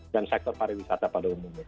dan sektor pariwisata pada umumnya